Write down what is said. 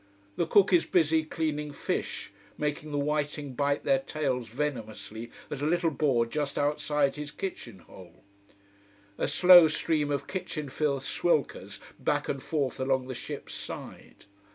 The cook is busy cleaning fish, making the whiting bite their tails venomously at a little board just outside his kitchen hole. A slow stream of kitchen filth swilkers back and forth along the ship's side.